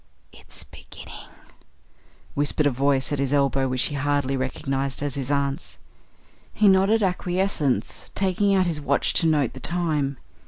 "It's beginning," whispered a voice at his elbow which he hardly recognised as his aunt's. He nodded acquiescence, taking out his watch to note the time.